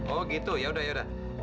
oh gitu ya udah ya udah